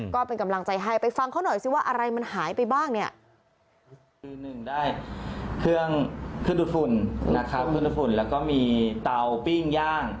ก็เป็นกำลังใจให้ไปฟังเขาหน่อยสิว่าอะไรมันหายไปบ้างเนี่ย